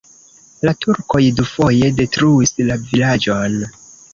La turkoj dufoje detruis la vilaĝon.